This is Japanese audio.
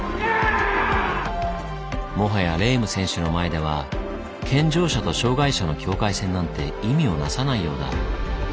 もはやレーム選手の前では健常者と障害者の境界線なんて意味を成さないようだ。